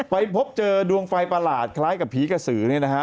ไปเจอดวงไฟประหลาดคล้ายกับผีกระสือเนี่ยนะฮะ